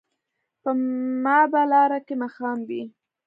په ما به لاره کې ماښام وي